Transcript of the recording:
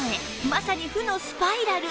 まさに負のスパイラル